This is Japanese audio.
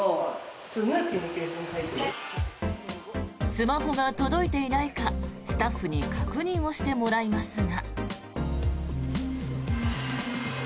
スマホが届いていないかスタッフに確認をしてもらいますが。